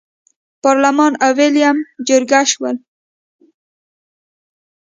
پارلمان او ویلیم جرګه شول.